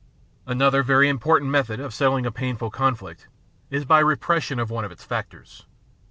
Another very important method of settling a painful con flict is by repression of one of its factors.